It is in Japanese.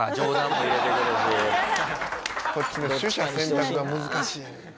取捨選択が難しい。